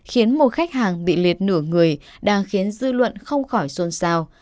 khiến một khách hàng bị liệt nửa người đang khiến dư luận không khỏi xôn xao